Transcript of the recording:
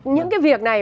những cái việc này